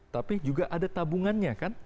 tapi juga ada tabungannya kan